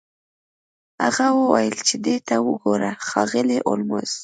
هغه وویل چې دې ته وګوره ښاغلی هولمز